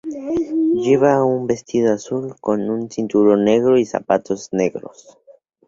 Lleva un vestido azul con un cinturón negro y zapatos negros.